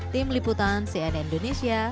tim liputan cn indonesia